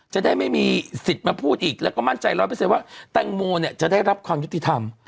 จะได้ไม่มีสิทธิ์มาพูดอีกแล้วก็มั่นใจ๑๐๐ว่าแตงโมเนี่ยจะได้รับความยุติธรรม